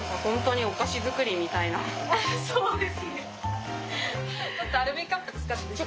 そうですね。